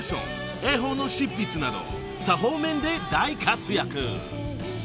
絵本の執筆など多方面で大活躍］